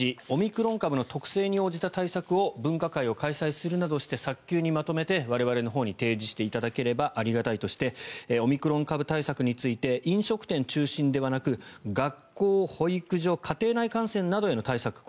オミクロン株の特性に応じた対策を分科会を開催するなどして早急にまとめて我々のほうに提示していただければありがたいとしてオミクロン株対策について飲食店中心ではなく学校、保育所家庭内感染などへの対策